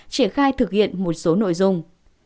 triển khai thực hiện một số nội dung